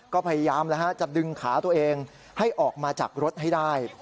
ก็พยายามจะดึงขาตัวเองให้ออกมาจากรถให้ได้